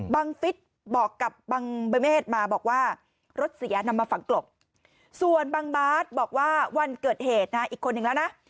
ฟิศบอกกับบังเบศมาบอกว่ารถเสียนำมาฝังกลบส่วนบังบาสบอกว่าวันเกิดเหตุนะอีกคนนึงแล้วนะ